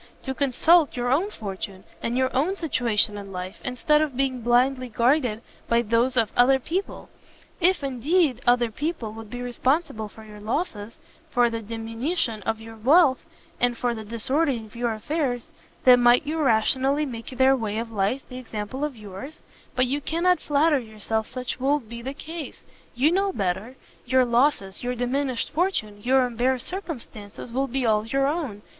_ to consult your own fortune, and your own situation in life, instead of being blindly guided by those of other people? If, indeed, other people would be responsible for your losses, for the diminution of your wealth, and for the disorder of your affairs, then might you rationally make their way of life the example of yours: but you cannot flatter yourself such will be the case; you know better; your losses, your diminished fortune, your embarrassed circumstances will be all your own!